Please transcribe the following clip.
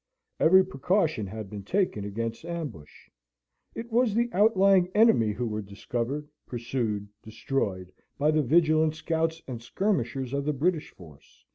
Every precaution had been taken against ambush. It was the outlying enemy who were discovered, pursued, destroyed, by the vigilant scouts and skirmishers of the British force.